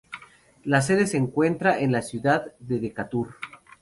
La sede se encuentra en la ciudad de Decatur.